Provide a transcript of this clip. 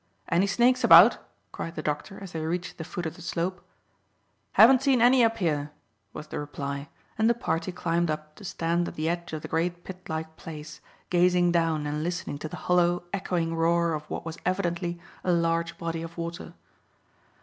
"Any snakes about?" cried the doctor, as they reached the foot of the slope. "Haven't seen any up here," was the reply; and the party climbed up to stand at the edge of the great pit like place, gazing down and listening to the hollow, echoing roar of what was evidently a large body of water.